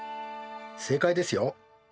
正解ですよ。